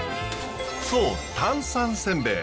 そう炭酸せんべい。